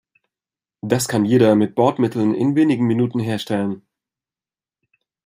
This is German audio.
Das kann jeder mit Bordmitteln in wenigen Minuten herstellen.